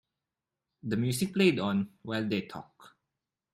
The music played on while they talked.